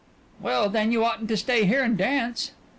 "Well, then, you oughtn't to stay here and dance."